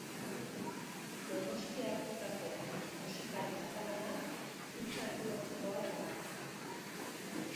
Donostiartutako musikari katalanak kutxa antologikoa dakar.